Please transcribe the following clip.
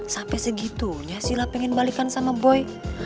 sampai segitunya sila pengen balikan sama boy